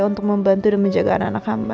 untuk membantu dan menjaga anak anak hamba